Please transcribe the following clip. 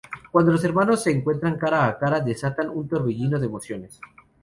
Cuando los hermanos se encuentran cara a cara, desatan un torbellino de emociones.